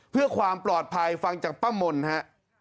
เพื่อความปลอดภัยฟังจากป้ามนฮะ